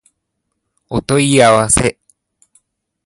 お問い合わせ